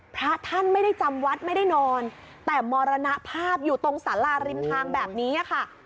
พระท่านไม่ได้จำวัดไม่ได้นอนแต่มรณภาพอยู่ตรงสาราริมทางแบบนี้ค่ะ